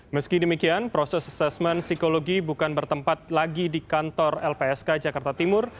meski demikian proses asesmen psikologi bukan bertempat lagi di kantor lpsk jakarta timur